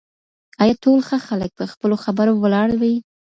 آیا ټول ښه خلک په خپلو خبرو ولاړ وي؟